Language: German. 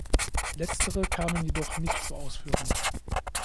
Letztere kamen jedoch nicht zur Ausführung.